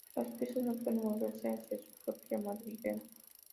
Las piezas no pueden moverse hacia su propia Madriguera.